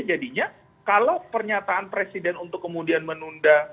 jadinya kalau pernyataan presiden untuk kemudian menunda